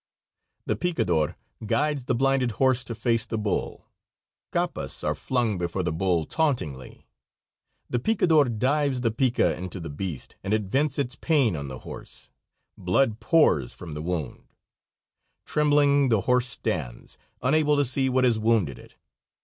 The picador guides the blinded horse to face the bull. Capas are flung before the bull tauntingly. The picador dives the pica into the beast and it vents its pain on the horse. Blood pours from the wound; trembling the horse stands, unable to see what has wounded it.